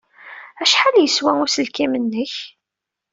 Acḥal yeswa uselkim-nnek?